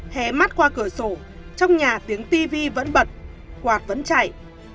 hé mắt qua cửa sổ trong nhà tiếng tv vẫn bật quạt vẫn chạy